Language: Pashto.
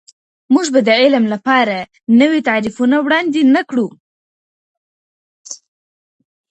موږ به د علم لپاره نوي تعریفونه وړاندې نه کړو.